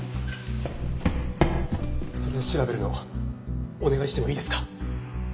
それ調べるのお願いしてもいいですか？